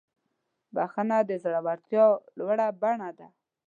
بخښنه د زړورتیا لوړه بڼه ده.